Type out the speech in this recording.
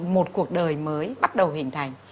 một cuộc đời mới bắt đầu hình thành